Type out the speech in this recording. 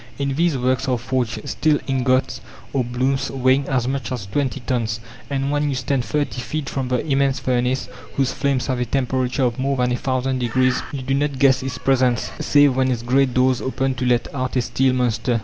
In these works are forged steel ingots or blooms weighing as much as twenty tons; and when you stand thirty feet from the immense furnace, whose flames have a temperature of more than a thousand degrees, you do not guess its presence save when its great doors open to let out a steel monster.